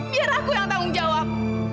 biar aku yang tanggung jawab